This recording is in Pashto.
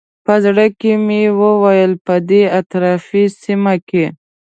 په زړه کې مې وویل په دې اطرافي سیمه کې.